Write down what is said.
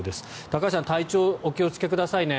高橋さん体調にお気をつけくださいね。